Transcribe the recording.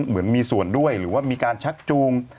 เหมือนมีส่วนด้วยหรือว่ามีการชักจูง